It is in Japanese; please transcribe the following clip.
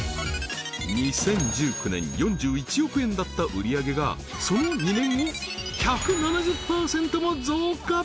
２０１９年４１億円だった売り上げがその２年後１７０％も増加